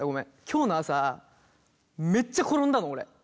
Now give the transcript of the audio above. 今日の朝めっちゃ転んだの俺。